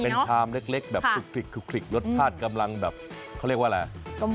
เป็นชามเล็กแบบคลุกรสชาติกำลังแบบเขาเรียกว่าอะไรอ่ะ